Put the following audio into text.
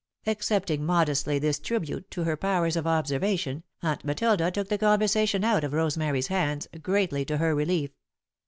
Accepting modestly this tribute to her powers of observation, Aunt Matilda took the conversation out of Rosemary's hands, greatly to her relief.